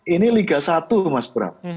ini liga satu mas bram